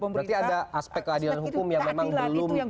berarti ada aspek keadilan hukum yang memang belum